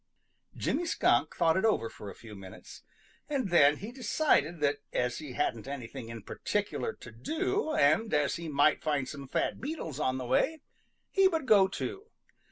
Jimmy Skunk thought it over for a few minutes, and then he decided that as he hadn't anything in particular to do, and as he might find some fat beetles on the way, he would go too.